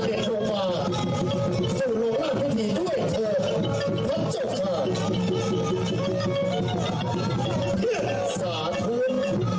เพื่อสาทุนสาทุนสาทุน